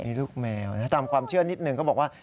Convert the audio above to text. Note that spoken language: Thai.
ลูกแมวนะตามความเชื่อนิดนึงเขาบอกว่า